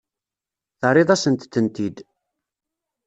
Terriḍ-asent-tent-id.